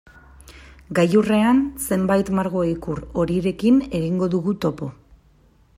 Gailurrean zenbait margo-ikur horirekin egingo dugu topo.